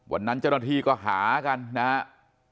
วันนั้นเจ้าหน้าที่ก็หากันนะครับ